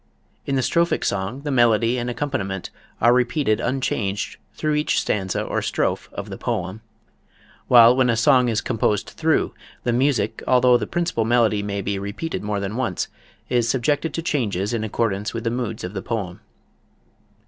In the strophic song the melody and accompaniment are repeated unchanged through each stanza or strophe of the poem; while, when a song is composed through, the music, although the principal melody may be repeated more than once, is subjected to changes in accordance with the moods of the poem.